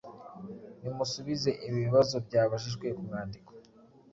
Nimusubize ibi bibazo byabajijwe ku mwandiko